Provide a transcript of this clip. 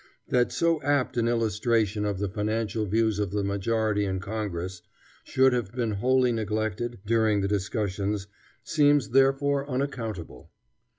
That so apt an illustration of the financial views of the majority in Congress should have been wholly neglected, during the discussions, seems therefore unaccountable.